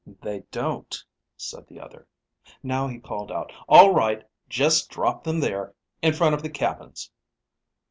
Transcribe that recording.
"They don't," said the other. Now he called out. "All right. Just drop them there, in front of the cabins."